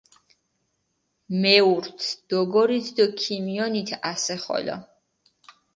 მეურთ, დოგორით დო ქიმიონით ასე ხოლო.